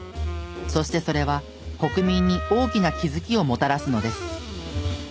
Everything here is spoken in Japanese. そしてそれは国民に大きな気づきをもたらすのです。